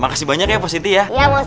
makasih banyak ya positif ya